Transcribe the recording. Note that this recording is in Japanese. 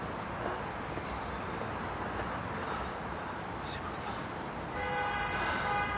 藤子さん。